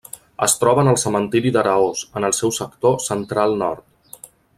Es troba en el cementiri d'Araós, en el seu sector central-nord.